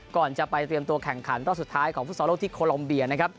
ก่อนจะไปเตรียมตัวแข่งขันรอบสุดท้ายของฟุตซอลโลกที่โคลอมเบียนะครับ